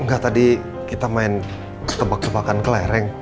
enggak tadi kita main tebak tebakan kelereng